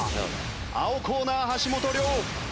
青コーナー橋本涼。